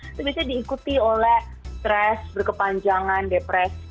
itu biasanya diikuti oleh stres berkepanjangan depresi